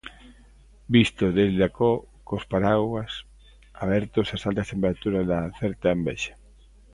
Visto desde acó, cos paraugas abertos, as altas temperaturas dan certa envexa.